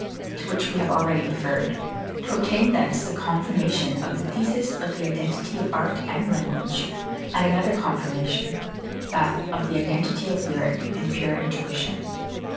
4), to which we have already referred, to obtain thence the confirmation of the thesis of the identity of art and language, and another confirmation, that of the identity of lyric and pure intuition.